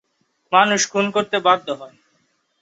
মানুষ খুন করতে বাধ্য হত।